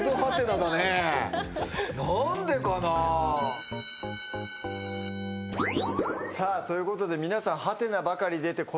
さあということで皆さんハテナばかり出て。